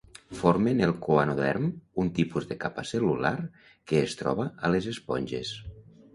Formen el coanoderm, un tipus de capa cel·lular que es troba a les esponges.